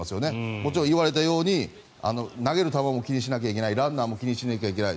もちろん言われたように投げる球も気にしなきゃいけないランナーも気にしなきゃいけない。